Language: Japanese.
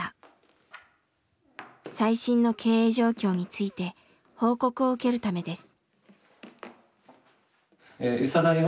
最新の経営状況について報告を受けるためです。